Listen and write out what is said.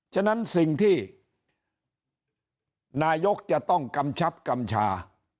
ฉะนั้นสิ่งที่นายกจะต้องกำชับกำชา